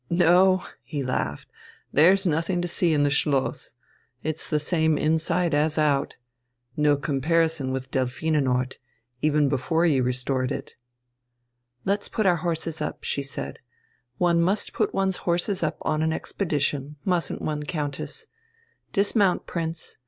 "No," he laughed, "there's nothing to see in the Schloss. It's the same inside as out. No comparison with Delphinenort, even before you restored it " "Let's put our horses up," she said. "One must put one's horses up on an expedition, mustn't one, Countess? Dismount, Prince.